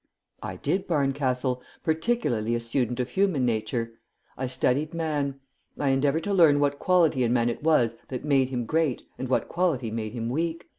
"I did, Barncastle; particularly a student of human nature. I studied man. I endeavoured to learn what quality in man it was that made him great and what quality made him weak.